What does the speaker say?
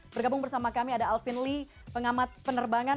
bergabung bersama kami ada alvin lee pengamat penerbangan